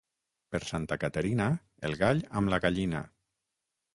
Per Santa Caterina, el gall amb la gallina.